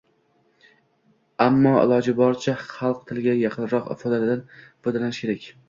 Ammo iloji boricha xalq tiliga yaqinroq ifodadan foydalanish kerak